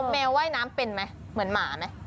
แมวว่ายน้ำเป็นไหมเหมือนหมาไหม